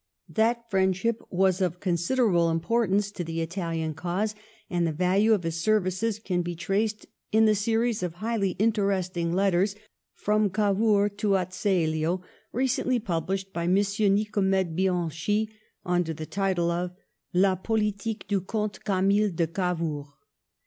That friendship was of consi derable importance to the Italian cause, and the value of bis services can be traced in the series of highly interest ing letters from Gavour to Azeglio, recently published by M. Nicom^de Bianchi under the title of La Politique du Comte Camille de Cavour.